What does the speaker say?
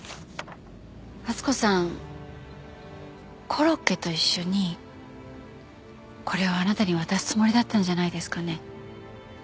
コロッケと一緒にこれをあなたに渡すつもりだったんじゃないですかね？